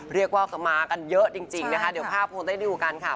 เรียกว่ามากันเยอะจริงนะคะเดี๋ยวภาพคงได้ดูกันค่ะ